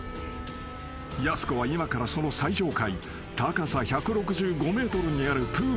［やす子は今からその最上階高さ１６５ｍにあるプールを目指す］